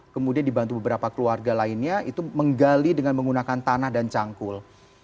kemudian dibantu beberapa keluarga lainnya itu menggali dengan menggunakan tanah dan cangkul